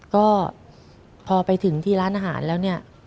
ก็พอไปถึงที่ร้านอาหารแล้วเนี่ย